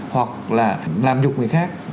hoặc là làm nhục người khác